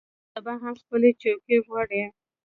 دوی سبا هم خپلې څوکۍ غواړي.